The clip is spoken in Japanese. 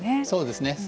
そうですね。